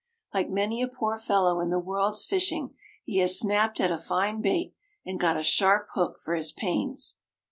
Like many a poor fellow in the world's fishing, he has snapped at a fine bait, and got a sharp hook for his pains.